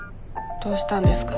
どうしたんですか？